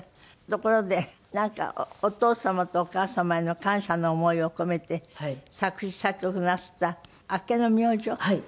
ところでお父様とお母様への感謝の思いを込めて作詞作曲なすった『明けの明星』？はい。